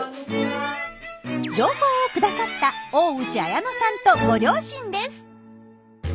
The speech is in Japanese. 情報を下さった大内綾乃さんとご両親です。